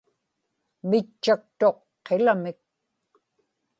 mitchaktuq qilamik